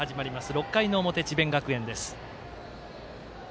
６回の表、智弁学園です。